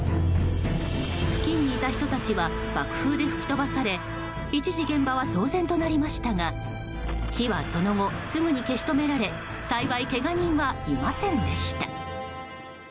付近にいた人たちは爆風で吹き飛ばされ一時、現場は騒然となりましたが火はその後すぐに消し止められ幸い、けが人はいませんでした。